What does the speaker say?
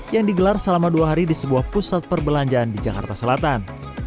yang digelar selama dua hari di sebuah pusat perbelanjaan di jakarta selatan